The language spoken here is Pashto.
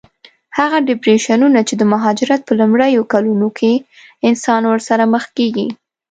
هغه ډېپریشنونه چې د مهاجرت په لومړیو کلونو کې انسان ورسره مخ کېږي.